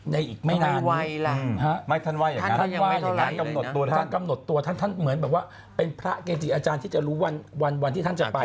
ท่านว่ายอย่างงั้นอย่างงั้นกำหนดตัวท่านแบบว่าเป็นพระเกจิอาจารย์ที่จะรู้วันที่ท่านจะไป